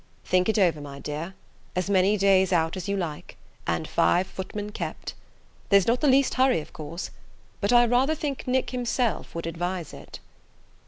Think it over, my dear: as many days out as you like, and five footmen kept. There's not the least hurry, of course; but I rather think Nick himself would advise it."